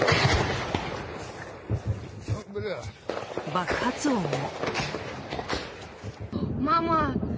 爆発音も。